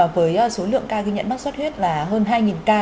với số lượng ca ghi nhận mắc xuất huyết là hơn hai ca